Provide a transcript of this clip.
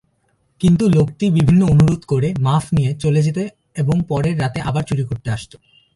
কিন্তু লোকটি বিভিন্ন অনুরোধ করে মাফ নিয়ে চলে যেত এবং পরের রাতে আবার চুরি করতে আসতো।